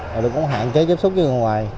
tôi cũng hạn chế tiếp xúc với người ngoài